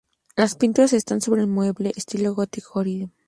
Las pinturas están sobre un mueble de estilo gótico florido.